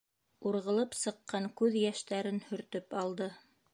Урғылып сыҡҡан күҙ йәштәрен һөртөп алды.